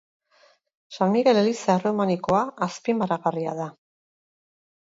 San Migel eliza erromanikoa azpimarragarria da.